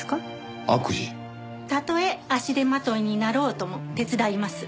たとえ足手まといになろうとも手伝います。